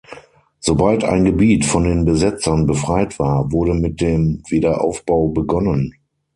Sobald ein Gebiet von den Besetzern befreit war, wurde mit dem Wiederaufbau begonnen.